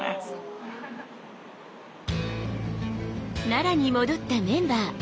奈良に戻ったメンバー。